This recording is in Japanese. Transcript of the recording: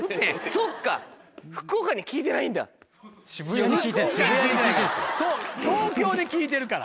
そう東京で聞いてるから。